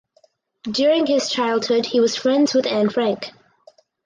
During his childhood he was friends with Anne Frank.